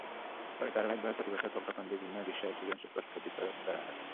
পরে ধারাবাহিকভাবে প্রতিবছর প্রজ্ঞাপন দিয়ে বিভিন্ন বিষয়ে সৃজনশীল প্রশ্নপদ্ধতি প্রবর্তন করা হয়।